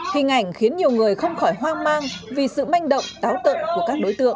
hình ảnh khiến nhiều người không khỏi hoang mang vì sự manh động táo tợn của các đối tượng